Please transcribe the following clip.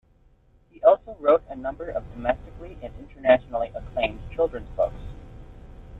He also wrote a number of domestically and internationally acclaimed children's books.